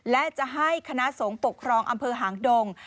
และจะให้คณะสงฆ์ปกครองอำเภอหางดง